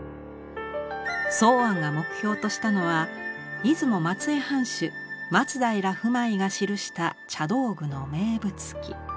箒庵が目標としたのは出雲松江藩主松平不昧が記した茶道具の名物記。